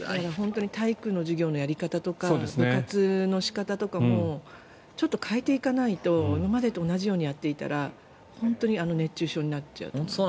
体育の授業のやり方とか部活の仕方とかもちょっと変えていかないと今までと同じようにやっていたら本当に熱中症になっちゃう。